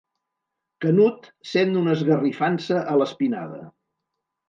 Canut sent una esgarrifança a l'espinada.